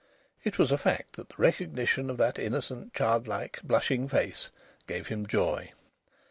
It was a fact that the recognition of that innocent, childlike blushing face gave him joy.